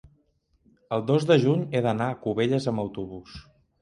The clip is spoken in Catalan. el dos de juny he d'anar a Cubelles amb autobús.